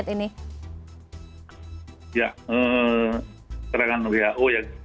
serangan who ya